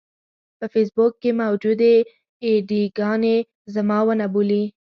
په فېسبوک کې موجودې اې ډي ګانې زما ونه بولي.